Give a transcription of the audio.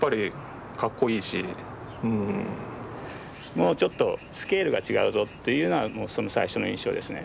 もうちょっとスケールが違うぞっていうのが最初の印象ですね。